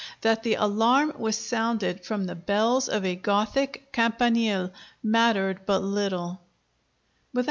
That the alarm was sounded from the bells of a Gothic campanile mattered but little.'"